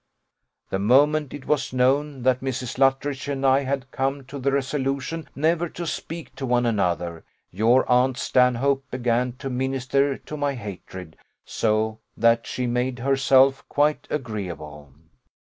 The moment it was known that Mrs. Luttridge and I had come to the resolution never to speak to one another, your aunt Stanhope began to minister to my hatred so, that she made herself quite agreeable.